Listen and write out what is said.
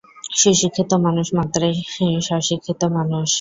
সুশিক্ষিত মানুষ মাত্রেই স্ব-শিক্ষিত মানুষ।